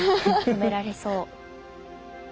止められそう。